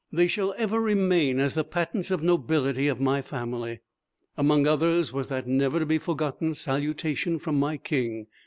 They shall ever remain as the patents of nobility of my family. Among others was that never to be forgotten salutation from my King.